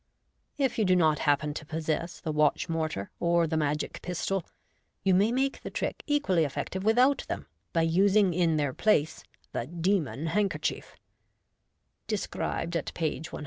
If you do not happen to possess the watch mortar or the magic pistol, you may make the trick equally effective without them, by using in their place the " Demon Handkerchief," described at page 195.